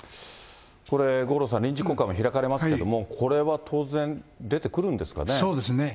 これ五郎さん、臨時国会も開かれますけれども、これは当然、そうですね。